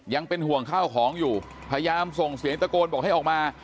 ยังเป็นห่วงข้าวของอยู่พยายามส่งเสียงตะโกนบอกให้ออกมา